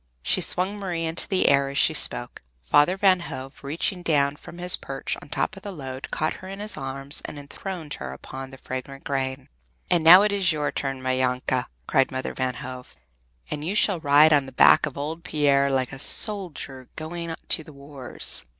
She swung Marie into the air as she spoke. Father Van Hove reached down from his perch on top of the load, caught her in his arms, and enthroned her upon the fragrant grain. "And now it is your turn, my Janke!" cried Mother Van Hove, "and you shall ride on the back of old Pier like a soldier going to the wars!"